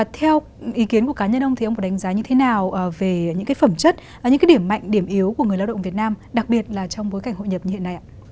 theo ý kiến của cá nhân ông ông có đánh giá như thế nào về những phẩm chất những điểm mạnh điểm yếu của người lao động việt nam đặc biệt trong bối cảnh hội nhập như hiện nay